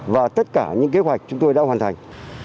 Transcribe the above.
và tất cả những kế hoạch chúng tôi đã hoàn thành